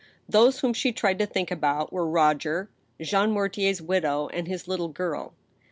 Those whom she tried to think about were Roger, Jean Mortier's widow, and his little girl.